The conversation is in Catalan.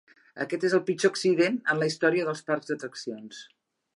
Aquest és el pitjor accident en la història dels parcs d'atraccions.